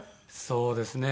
そうですね。